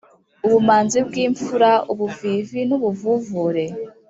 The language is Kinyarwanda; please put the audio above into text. Ubumanzi bw'Imfura ubuvivi n’ubuvuvure